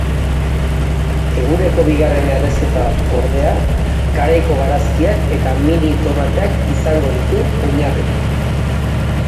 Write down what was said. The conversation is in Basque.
Eguneko bigarren errezeta ordea, garaiko barazkiak eta mini tomateak izango ditu oinarri.